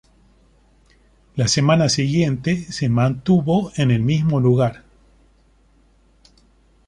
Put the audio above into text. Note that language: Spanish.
La semana siguiente se mantuvo en el mismo lugar.